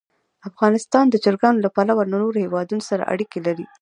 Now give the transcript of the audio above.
افغانستان د چرګانو له پلوه له نورو هېوادونو سره اړیکې لري.